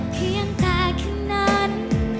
เพียงแต่แค่นั้น